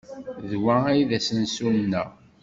D wa ay d asensu-nneɣ?